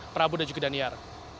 prabu dan jukidaniar